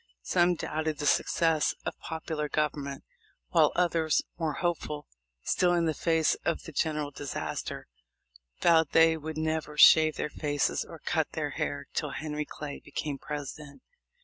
Some doubted the success of popular government, while others, more hopeful still in the face of the general disaster, vowed they would never shave their faces or cut their hair till Henry Clay became President.